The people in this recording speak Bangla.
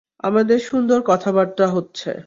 আমাদের সুন্দর কথাবার্তা হচ্ছে।